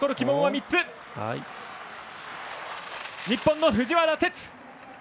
日本の藤原哲。